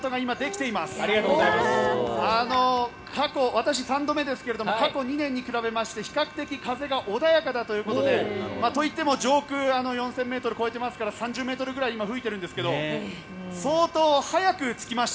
私３度目ですけど過去２度に比べまして比較的風が穏やかだということでといっても上空４０００ｍを超えていますから３０ｍぐらい今、吹いているんですが相当早く着きました。